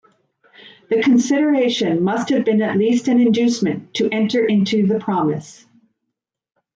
The consideration must have been at least an inducement to enter into the promise.